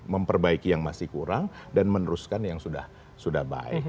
memperbaiki yang masih kurang dan meneruskan yang sudah baik